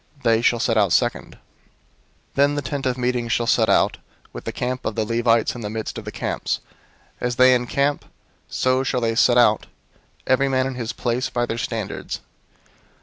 They shall set out second. 002:017 "Then the tent of meeting shall set out, with the camp of the Levites in the midst of the camps. As they encamp, so shall they set out, every man in his place, by their standards.